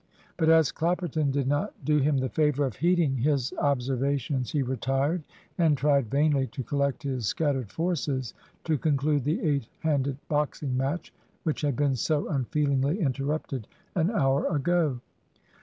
But as Clapperton did not do him the favour of heeding his observations, he retired, and tried vainly to collect his scattered forces to conclude the eight handed boxing match, which had been so unfeelingly interrupted an hour ago.